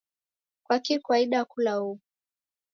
Kkwaki kwaidia kula huwu